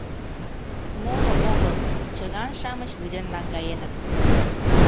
Моло огыл — чыган-шамыч вӱден наҥгаеныт.